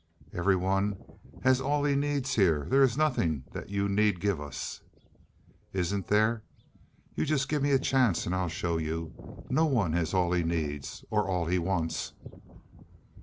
"Everyone has all he needs here. There is nothing that you need give us." "Isn't there? You just give me a chance and I'll show you. No one has all he needs or all he wants."